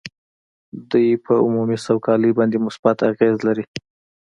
دوی په عمومي سوکالۍ باندې مثبت اغېز لري